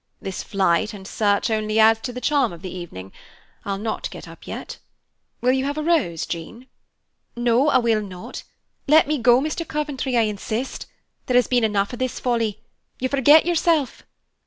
This flight and search only adds to the charm of the evening. I'll not get up yet. Will you have a rose, Jean?" "No, I will not. Let me go, Mr. Coventry, I insist. There has been enough of this folly. You forget yourself."